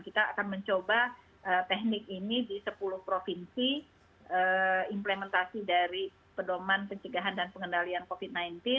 kita akan mencoba teknik ini di sepuluh provinsi implementasi dari pedoman pencegahan dan pengendalian covid sembilan belas